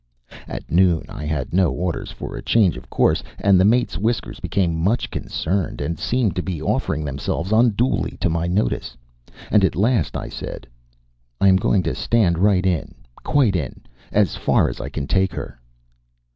At noon I gave no orders for a change of course, and the mate's whiskers became much concerned and seemed to be offering themselves unduly to my notice. At last I said: "I am going to stand right in. Quite in as far as I can take her."